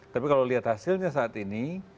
tapi kalau lihat hasilnya saat ini